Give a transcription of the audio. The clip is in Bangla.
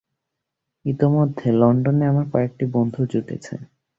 ইতোমধ্যে লণ্ডনে আমার কয়েকটি বন্ধু জুটেছে।